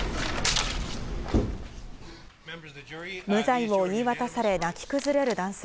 無罪を言い渡され、泣き崩れる男性。